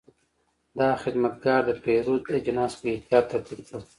دا خدمتګر د پیرود اجناس په احتیاط ترتیب کړل.